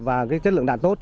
và chất lượng đạt tốt